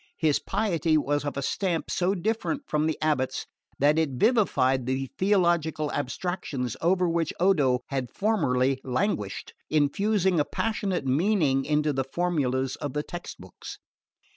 His piety was of a stamp so different from the abate's that it vivified the theological abstractions over which Odo had formerly languished, infusing a passionate meaning into the formulas of the textbooks.